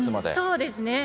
そうですね。